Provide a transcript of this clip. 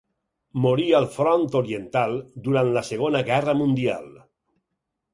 Morí al Front Oriental durant la Segona Guerra Mundial.